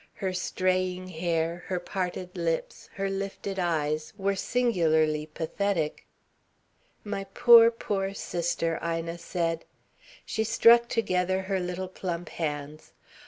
Her straying hair, her parted lips, her lifted eyes were singularly pathetic. "My poor, poor sister!" Ina said. She struck together her little plump hands.